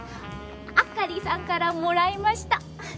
アカリさんからもらいました。